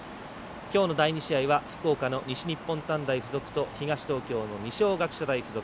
きょうの第２試合は福岡の西日本短大付属と東東京の二松学舎大付属。